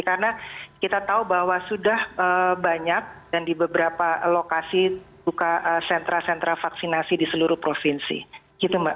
karena kita tahu bahwa sudah banyak dan di beberapa lokasi buka sentra sentra vaksinasi di seluruh provinsi